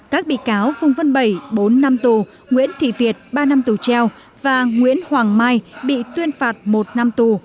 các bị cáo phung vân bảy bốn năm tù nguyễn thị việt ba năm tù treo và nguyễn hoàng mai bị tuyên phạt một năm tù